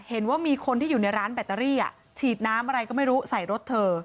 เห็นว่ามีคนที่อยู่ในร้านแบตเตอรี่ฉีดน้ำอะไรก็ไม่รู้ใส่รถเธอ